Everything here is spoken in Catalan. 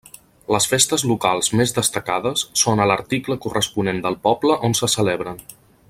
Les festes locals més destacades són a l'article corresponent del poble on se celebren.